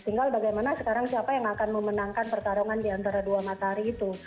tinggal bagaimana sekarang siapa yang akan memenangkan pertarungan di antara dua matahari itu